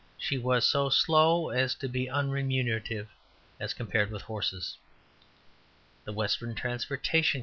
She was so slow as to be unremunerative, as compared with horses. The Western Transportation Co.